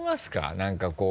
何かこう。